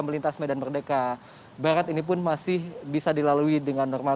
melintas medan merdeka barat ini pun masih bisa dilalui dengan normal